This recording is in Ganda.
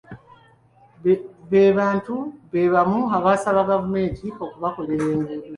Be bantu be bamu abasaba gavumenti okubakolera enguudo.